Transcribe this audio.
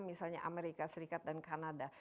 misalnya amerika serikat dan kanada